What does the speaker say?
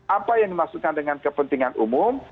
apa yang dimaksudkan dengan kepentingan umum